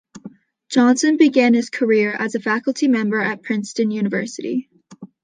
Johnson began his career as a faculty member at Princeton University.